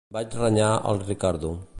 Vaig renyar el Riccardo.